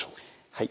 はい。